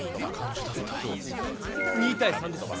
えっと２対３です。